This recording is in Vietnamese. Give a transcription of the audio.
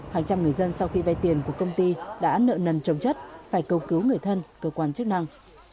hàng trăm người dân sau khi vay tiền của công ty đã nợ nần trồng chất phải cầu cứu người thân cơ quan chức năng